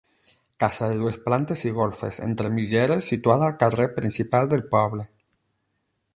Casa de dues plantes i golfes, entre mitgeres, situada al carrer principal del poble.